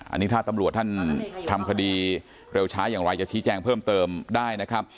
อันนี้ถ้าตำรวจท่านทำคดีเร็วช้าอย่างไรจะชี้แจงเพิ่มเติมได้นะครับ